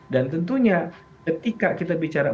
dan tentunya ketika kita bicara